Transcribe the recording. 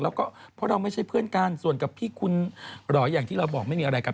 แล้วก็เพราะเราไม่ใช่เพื่อนกันส่วนกับพี่คุณเหรออย่างที่เราบอกไม่มีอะไรกัน